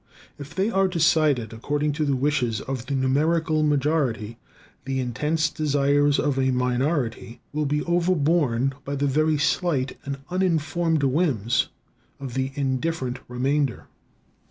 If they are decided according to the wishes of the numerical majority, the intense desires of a minority will be overborne by the very slight and uninformed whims of the indifferent remainder.